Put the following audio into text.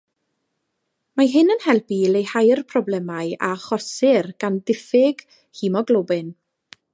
Mae hyn yn helpu i leihau'r problemau a achosir gan ddiffyg hemoglobin.